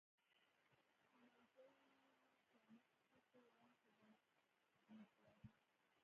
چي منزل مي قیامتي سو ته یې لنډ کي دا مزلونه